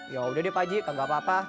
yaudah deh pak haji kagak apa apa